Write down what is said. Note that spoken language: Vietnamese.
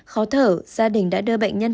khó thở gia đình đã đưa bệnh nhân